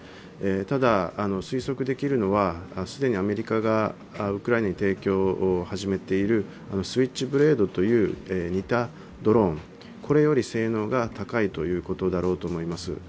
ただ、推測できるのは、既にアメリカがウクライナに提供を始めているスイッチブレードという似たドローン、これより性能が高いということだろうと思います。